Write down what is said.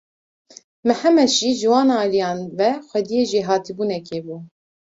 Mihemed jî ji wan aliyan ve xwediyê jêhatîbûnekê bû.